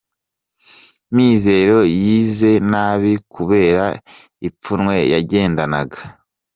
Mizero yize nabi kubera ipfunwe yagendanaga.